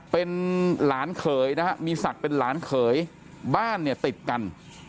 เป็นหลานเขยนะฮะมีศักดิ์เป็นหลานเขยบ้านเนี่ยติดกัน